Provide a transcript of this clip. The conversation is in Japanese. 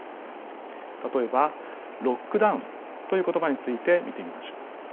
例えばロックダウンという言葉について見てみましょう。